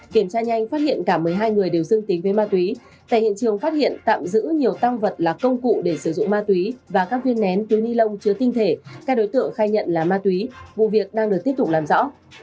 kiểm tra nhanh phát hiện cả một mươi hai người đều dương tính với ma túy tại hiện trường phát hiện tạm giữ nhiều tăng vật là công cụ để sử dụng ma túy và các viên nén túi ni lông chứa tinh thể các đối tượng khai nhận là ma túy vụ việc đang được tiếp tục làm rõ